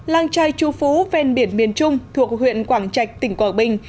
làng trai chu phú ven biển miền trung thuộc huyện quảng trạch tỉnh quảng bình